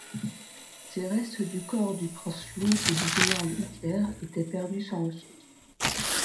Ces restes du corps du prince Louis et du général Hitler étaient perdus sans ressource.